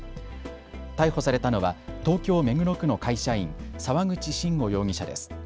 逮捕されたのは東京目黒区の会社員、沢口慎吾容疑者です。